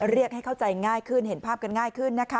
เรียกให้เข้าใจง่ายขึ้นเห็นภาพกันง่ายขึ้นนะคะ